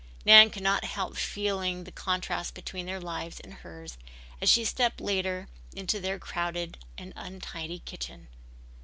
Nan could not help feeling the contrast between their lives and hers as she stepped later into their crowded and untidy kitchen.